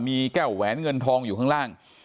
มีแก้วแหวนเงินทองอยู่ข้างล่าง